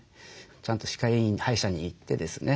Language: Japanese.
ちゃんと歯科医院歯医者に行ってですね